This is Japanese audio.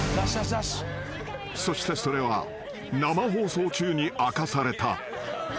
［そしてそれは生放送中に明かされた］